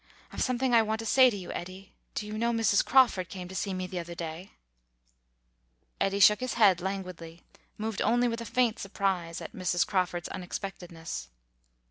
I've something I want to say to you, Eddy.... Do you know Mrs. Crawford came to see me the other day?" Eddy shook his head, languidly, moved only with a faint surprise at Mrs. Crawford's unexpectedness.